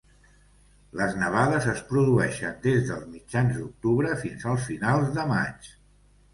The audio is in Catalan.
Les nevades es produeixen des dels mitjans d'octubre fins als finals de maig.